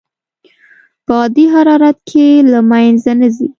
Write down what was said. په عادي حرارت کې له منځه نه ځي.